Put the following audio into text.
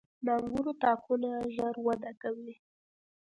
• د انګورو تاکونه ژر وده کوي.